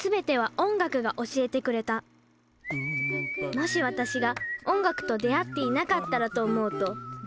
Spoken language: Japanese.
もし私が音楽と出会っていなかったらと思うとゾッとします。